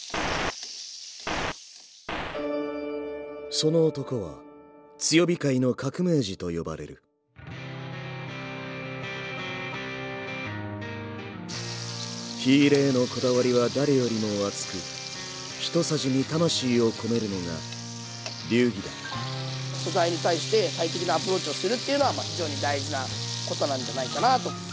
その男は強火界の革命児と呼ばれる火入れへのこだわりは誰よりも熱くひとさじに魂を込めるのが流儀だっていうのはまあ非常に大事なことなんじゃないかなと。